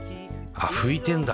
あっ拭いてんだ。